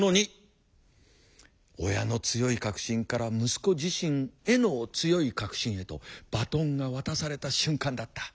親の強い確信から息子自身への強い確信へとバトンが渡された瞬間だった。